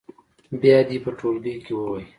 بیا دې یې په ټولګي کې ووایي.